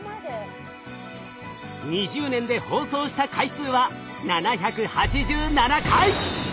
２０年で放送した回数は７８７回！